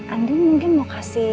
andin mungkin mau kasih